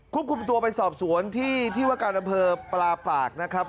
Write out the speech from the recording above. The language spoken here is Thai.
ควบคุมตัวไปสอบสวนที่ที่วคารพลปลาปากนะครับ